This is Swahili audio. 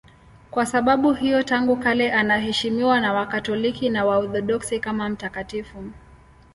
Kwa sababu hiyo tangu kale anaheshimiwa na Wakatoliki na Waorthodoksi kama mtakatifu.